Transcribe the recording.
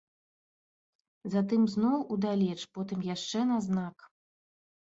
Затым зноў удалеч, потым яшчэ на знак.